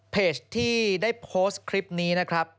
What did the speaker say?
เพจที่ได้โพสต์คลิปนี้นะครับ